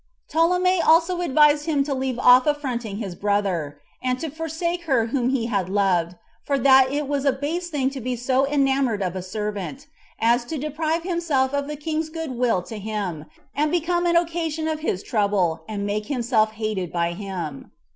Ptolemy also advised him to leave off affronting his brother, and to forsake her whom he had loved, for that it was a base thing to be so enamored of a servant, as to deprive himself of the king's good will to him, and become an occasion of his trouble, and make himself hated by him.